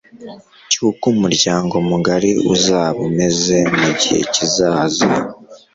cyuko umuryango mugari uzaba umeze mu gihe kizaza